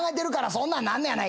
そんなんなんねやないかい。